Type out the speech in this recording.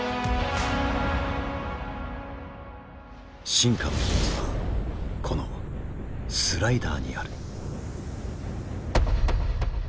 進化の秘密はこのスライダーにある。